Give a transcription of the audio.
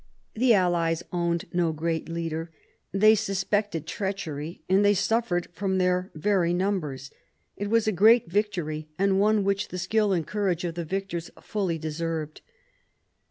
The allies owned no one leader, they suspected treachery, and they suffered from their very numbers. It was a great victory, and one which the skill and courage of the victors fully deserved.